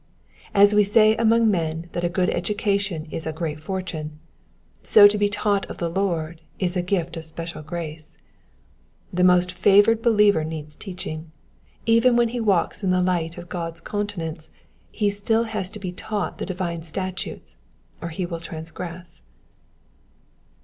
As we say among men that a good education is a great fortune, so to be taught of the Lord is a gift of special grace. The most favoured believer needs teaching ; even when he walks in the light of God's countenance he has still to be taught the divine statutes or he will transgress.